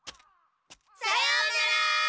さようなら！